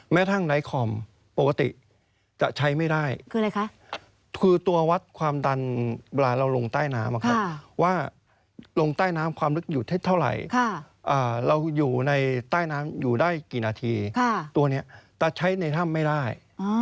ทั้งไลท์คอมปกติจะใช้ไม่ได้คืออะไรคะคือตัววัดความดันเวลาเราลงใต้น้ำว่าลงใต้น้ำความลึกอยู่ที่เท่าไหร่เราอยู่ในใต้น้ำอยู่ได้กี่นาทีตัวนี้จะใช้ในถ้ำไม่ได้